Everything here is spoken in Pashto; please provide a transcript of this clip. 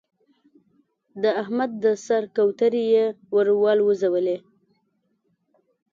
د احمد د سر کوترې يې ور والوزولې.